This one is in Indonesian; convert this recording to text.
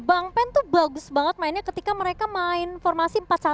bang pen tuh bagus banget mainnya ketika mereka main formasi empat satu